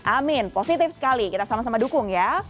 amin positif sekali kita sama sama dukung ya